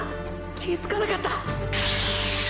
気づかなかった！！